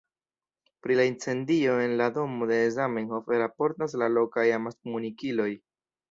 Pri la incendio en la domo de Zamenhof raportas la lokaj amaskomunikiloj.